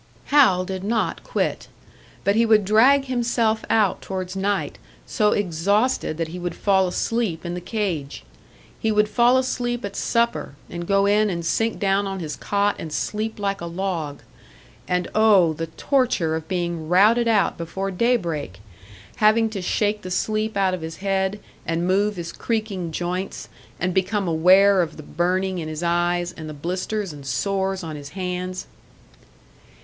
Hal did not quit; but he would drag himself out towards night, so exhausted that he would fall asleep in the cage. He would fall asleep at supper, and go in and sink down on his cot and sleep like a log. And oh, the torture of being routed out before daybreak! Having to shake the sleep out of his head, and move his creaking joints, and become aware of the burning in his eyes, and the blisters and sores on his hands!